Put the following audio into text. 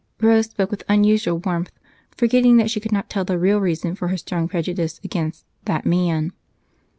Rose spoke with unusual warmth, forgetting that she could not tell the real reason for her strong prejudice against "that man."